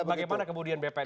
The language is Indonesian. bagaimana kemudian bpn